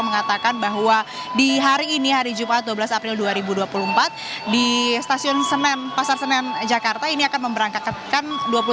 mengatakan bahwa di hari ini hari jumat dua belas april dua ribu dua puluh empat di stasiun pasar senen jakarta ini akan memberangkatkan dua puluh tiga delapan ratus tujuh puluh